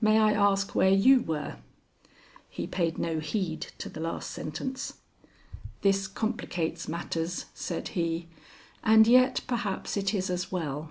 May I ask where you were?" He paid no heed to the last sentence. "This complicates matters," said he, "and yet perhaps it is as well.